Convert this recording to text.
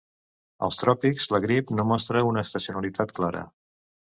Als tròpics, la grip no mostra una estacionalitat clara.